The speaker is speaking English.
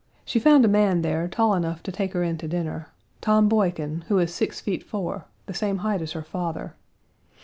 She found a man there tall enough to take her in to dinner Tom Boykin, who is six feet four, the same height as her father.